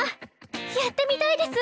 やってみたいです！